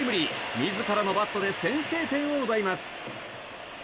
自らのバットで先制点を奪います。